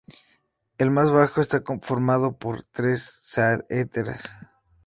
El más bajo está formado por tres saeteras.